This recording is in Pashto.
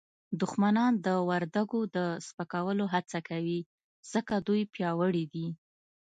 دښمنان د وردګو د سپکولو هڅه کوي ځکه دوی پیاوړي دي